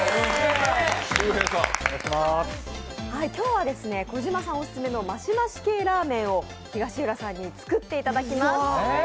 今日は小島さんオススメのマシマシ系ラーメンを東浦さんに作っていただきます。